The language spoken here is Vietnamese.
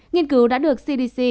nghiên cứu đã được cdc